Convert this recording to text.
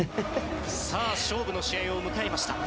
勝負の試合を迎えました。